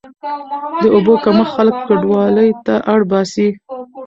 د اوبو کمښت خلک کډوالۍ ته اړ باسي.